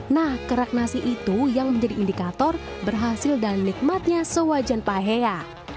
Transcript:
nah kerak nasi itu yang menjadi indikator berhasil dan nikmatnya sewajan pahea